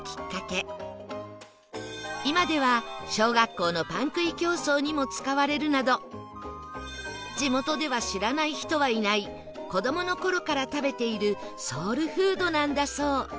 今では小学校のパン食い競争にも使われるなど地元では知らない人はいない子供の頃から食べているソウルフードなんだそう